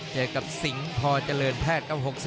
เจอกับสิงพาวจัลเรนน่วงแพทย์